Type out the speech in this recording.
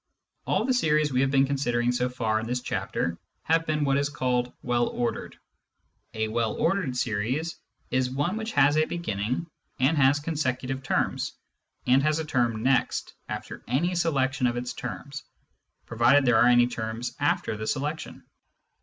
All the series we have been considering so far in this chapter have been what is called " well ordered." A well ordered series is one which has a beginning, and has consecutive terms, and has a term next after any selection of its terms, provided there are any terms after the selection.